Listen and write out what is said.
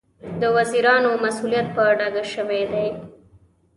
د وزیرانو مسوولیت په ډاګه شوی دی.